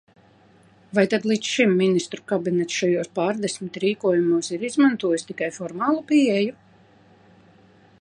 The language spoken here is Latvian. Vai tad līdz šim Ministru kabinets šajos pārdesmit rīkojumos ir izmantojis tikai formālu pieeju?